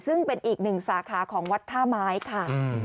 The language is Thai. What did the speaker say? ซึ่งเป็นอีกหนึ่งสาขาของวัดท่าไม้ค่ะ